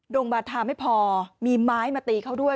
งบาทาไม่พอมีไม้มาตีเขาด้วย